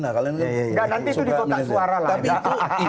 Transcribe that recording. nanti itu dikontak suara lah ya